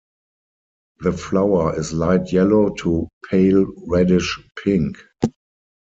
The flower is light yellow to pale reddish-pink.